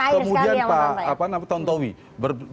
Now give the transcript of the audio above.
kemudian pak tanto wihaya